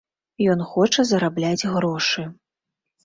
Ён хоча зарабляць грошы.